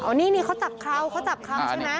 นี่นี่เขาจับเขาเขาจับเขาใช่ไหม